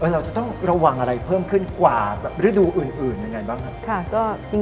เราจะต้องระวังอะไรเพิ่มขึ้นกว่าฤดูอื่นยังไงบ้างครับ